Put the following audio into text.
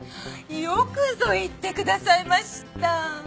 よくぞ言ってくださいました！